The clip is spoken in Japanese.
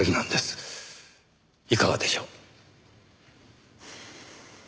いかがでしょう？